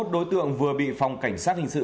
hai mươi đối tượng vừa bị phòng cảnh sát hình sự